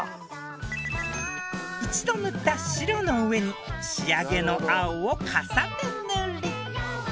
一度塗った白の上に仕上げの青を重ね塗り。